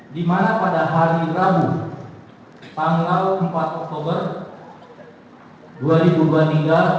di mana pada hari rabu tanggal empat oktober dua ribu dua puluh tiga